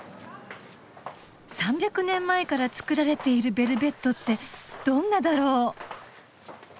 ３００年前から作られているベルベットってどんなだろう？